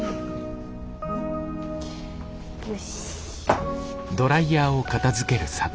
よし。